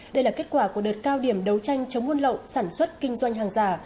đây là kết quả của đợt cao điểm đấu tranh chống nguồn lộn sản xuất kinh doanh hàng giả